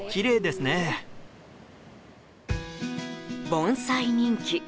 盆栽人気